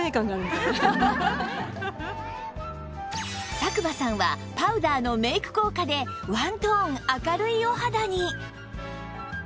佐久間さんはパウダーのメイク効果でワントーン明るいお肌に